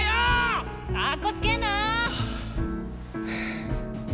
かっこつけんな！